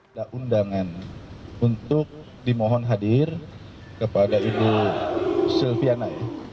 ada undangan untuk dimohon hadir kepada ibu silviana